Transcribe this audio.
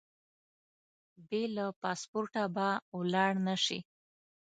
بې له پاسپورټه به ولاړ نه شې.